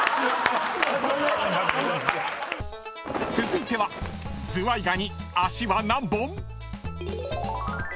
［続いてはズワイガニ足は何本？］